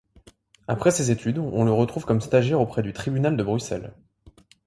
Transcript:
Après ses études on le retrouve comme stagiaire auprès du tribunal de Bruxelles.